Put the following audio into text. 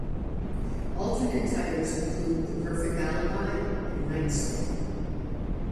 Alternate titles include "The Perfect Alibi" and "Nightstick".